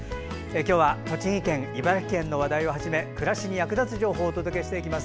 今日は栃木県、茨城県の話題をはじめ暮らしに役立つ情報をお届けしていきます。